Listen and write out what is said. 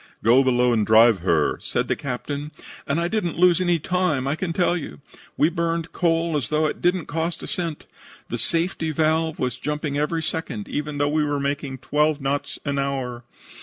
"'Go below and drive her,' said the captain, and I didn't lose any time, I can tell you. We burned coal as though it didn't cost a cent. The safety valve was jumping every second, even though we were making twelve knots an hour.